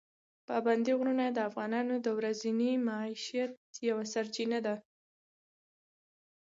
پابندي غرونه د افغانانو د ورځني معیشت یوه سرچینه ده.